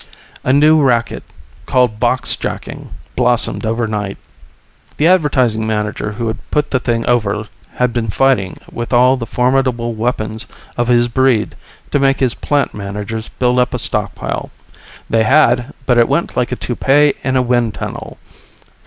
A new racket, called boxjacking, blossomed overnight. The Advertising Manager who had put the thing over had been fighting with all the formidable weapons of his breed to make his plant managers build up a stockpile. They had, but it went like a toupee in a wind tunnel.